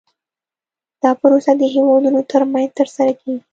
دا پروسه د هیوادونو ترمنځ ترسره کیږي